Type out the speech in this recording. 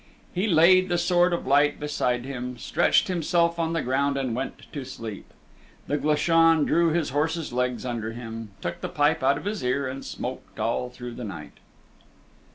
He laid the Sword of Light beside him, stretched himself on the ground and went to sleep. The Glashan drew his horse's legs under him, took the pipe out of his ear, and smoked all through the night.